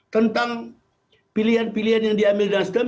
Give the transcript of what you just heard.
tentang pilihan pilihan yang diambil nasdem